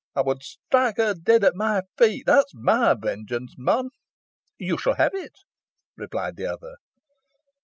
Ey wad strike her deeod at my feet. That's my vengeance, mon." "You shall have it," replied the other.